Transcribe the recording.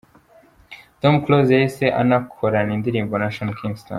Tom Close yahise anakorana indirimbo na Sean Kingston.